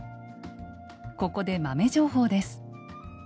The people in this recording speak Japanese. ここで豆情報です。